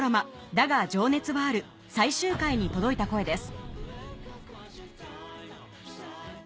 『だが、情熱はある』最終回に届いた声です